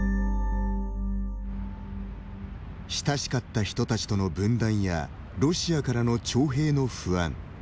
親しかった人たちとの分断やロシアからの徴兵の不安。